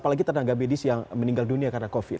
apalagi tenaga medis yang meninggal dunia karena covid